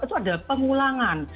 itu ada pengulangan